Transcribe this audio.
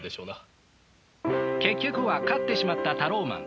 結局は勝ってしまったタローマン。